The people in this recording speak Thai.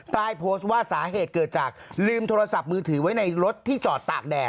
ใต้โพสต์ว่าสาเหตุเกิดจากลืมโทรศัพท์มือถือไว้ในรถที่จอดตากแดด